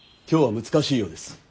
今日は難しいようです。